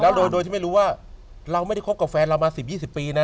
แล้วโดยที่ไม่รู้ว่าเราไม่ได้คบกับแฟนเรามา๑๐๒๐ปีนะ